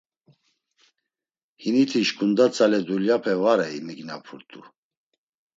Hiniti şǩunda tzale dulyape var ey, mignapurt̆u.